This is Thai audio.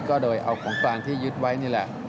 ก็โดยเอาของกลางที่ยึดไว้นี่แหละ